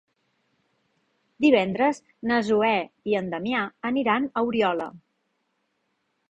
Divendres na Zoè i en Damià aniran a Oriola.